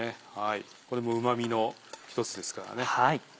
これもうま味の一つですからね。